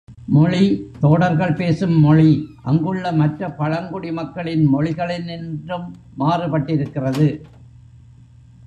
மொழி தோடர்கள் பேசும் மொழி, அங்குள்ள மற்ற பழங்குடி மக்களின் மொழிகளினின்றும் மாறுபட்டிருக்கிறது.